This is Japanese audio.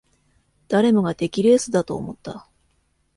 誰もが出来レースだと思った